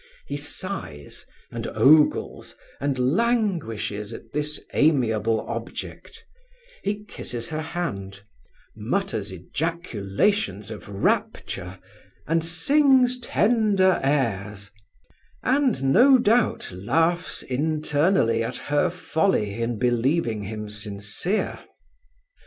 He sighs, and ogles, and languishes at this amiable object; he kisses her hand, mutters ejaculations of rapture, and sings tender airs; and, no doubt, laughs internally at her folly in believing him sincere.